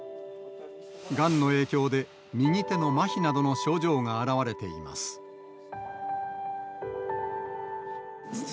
がんの影響で右手のまひなどの症状が現れています。